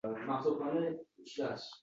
Shart borsin-da, oʻzini ossin